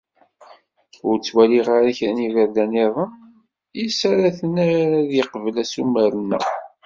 Ur ttwaliɣ ara kra n yiberdan-iḍen iss ara t-nerr ad yeqbel asumer-nneɣ.